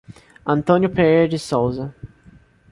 Antônio Pereira de Souza